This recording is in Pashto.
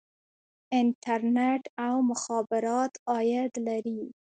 انټرنیټ او مخابرات عاید لري